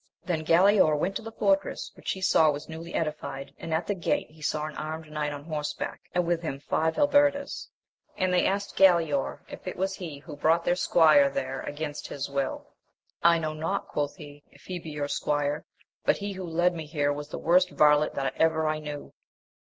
Then Galaor went to the fortress, which he saw was newly edified, and at the gate he saw an armed knight on horseback, and with him five halberders, and they asked Galaor if it was he who brought their AMADIS OF GAUL. 99 squire there against his will 1 I know not, quoth he, if he be your squire, but he who led me here was the worst varlet that ever I knew.